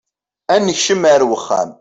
Ad nekcem ar wexxam.